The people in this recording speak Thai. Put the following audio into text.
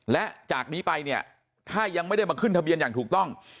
และจากนี้ไปเนี่ยถ้ายังไม่ได้มาขึ้นทะเบียนอย่างถูกต้อง